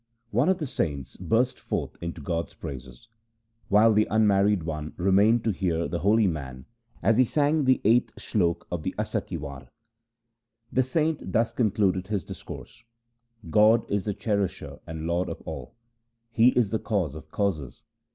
One of the saints burst forth into God's praises. The four married ladies went home, while the unmarried one remained to hear the holy man as he sang the eighth slok of the Asa ki War. The saint thus concluded his discourse :' God is the Cherisher and Lord of all. He is the Cause of causes.